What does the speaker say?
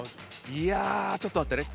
いやちょっと待ってね。